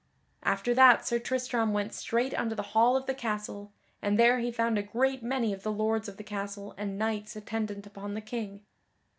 After that Sir Tristram went straight unto the hall of the castle, and there he found a great many of the lords of the castle and knights attendant upon the King.